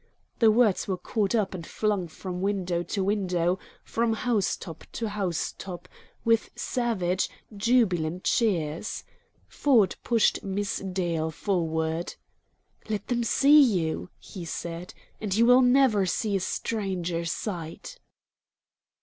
The words were caught up and flung from window to window, from house top to house top, with savage, jubilant cheers. Ford pushed Miss Dale forward. "Let them see you," he said, "and you will never see a stranger sight."